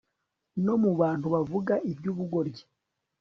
No mu bantu bavuga ibyubugoryi